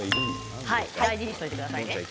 大事にしておいてくださいね。